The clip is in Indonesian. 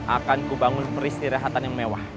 akan kubangun peristi rehatan yang mewah